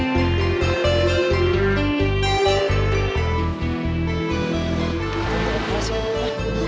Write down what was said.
tidak ada kelasnya